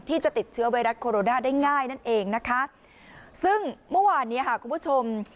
ที่จะติดเชื้อไวรัสโคโรนาได้ง่ายนั่นเองนะคะซึ่งเมื่อวานเนี้ยค่ะคุณผู้ชม